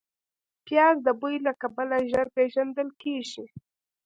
پیاز د بوی له کبله ژر پېژندل کېږي